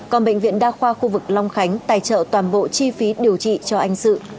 còn bệnh viện đa khoa khu vực long khánh tài trợ toàn bộ chi phí điều trị cho anh sự